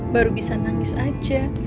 baru bisa nangis aja